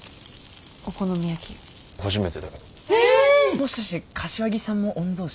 もしかして柏木さんも御曹子？